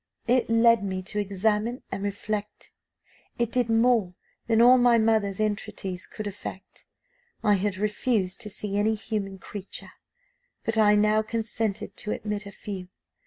It led me to examine and reflect. It did more than all my mother's entreaties could effect. I had refused to see any human creature, but I now consented to admit a few.